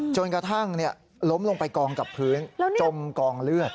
จนกระทั่งล้มลงไปกองกับพื้นจมกองเลือด